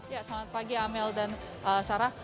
ya selamat pagi amel dan sarah